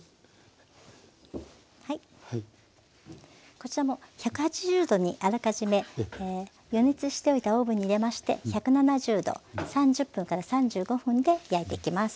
こちらも１８０℃にあらかじめ予熱しておいたオーブンに入れまして１７０℃３０分３５分で焼いていきます。